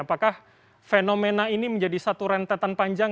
apakah fenomena ini menjadi satu rentetan panjang